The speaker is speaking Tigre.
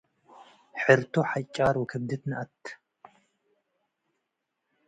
ሕርቶ፤ ሐጫር ወክብድት ነአት ።